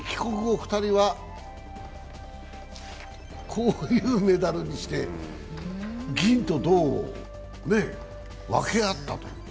こういうメダルにして銀と銅を分け合ったと。